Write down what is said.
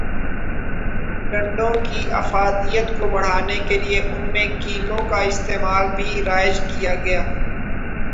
ڈنڈوں کی افادیت کو بڑھانے کیلئے ان میں کیلوں کا استعمال بھی رائج کیا گیا۔